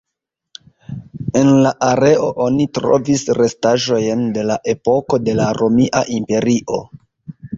En la areo oni trovis restaĵojn de la epoko de la Romia Imperio.